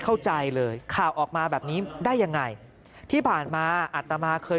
เข้าใจเลยข่าวออกมาแบบนี้ได้ยังไงที่ผ่านมาอัตมาเคย